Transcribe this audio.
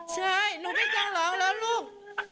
ใช่หนูไม่ต้องร้องแล้วลูก